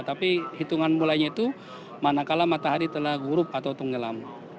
tapi hitungan mulainya itu mana kalah matahari telah gurup atau tenggelam